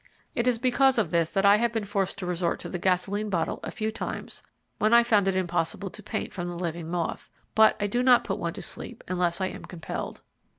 It is because of this that I have been forced to resort to the gasoline bottle a few times when I found it impossible to paint from the living moth; but I do not put one to sleep unless I am compelled.